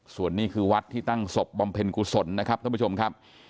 ส่วนนี้คือวัดที่ตั้งศพบำเพ็ญกุศลนะครับท่านผู้ชมครับ